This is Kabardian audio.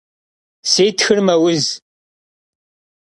Si txır meuz.